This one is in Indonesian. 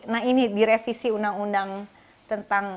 nah ini direvisi undang undang tentang